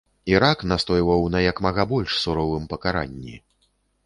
Ірак настойваў на як мага больш суровым пакаранні.